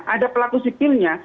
ada pelaku sipilnya